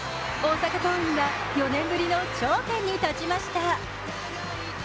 大阪桐蔭が４年ぶりの頂点に立ちました。